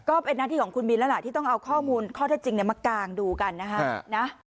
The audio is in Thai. ก็เป็นหน้าที่ของคุณบินแล้วล่ะที่ต้องเอาข้อมูลข้อเท็จจริงมากางดูกันนะฮะ